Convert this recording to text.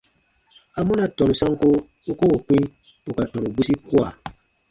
Amɔna tɔnu sanko u koo kpĩ ù ka tɔnu bwisi kua?